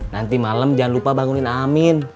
nanti malam jangan lupa bangunin amin